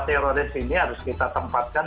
teroris ini harus kita tempatkan